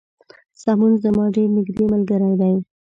سمون زما ډیر نږدې ملګری دی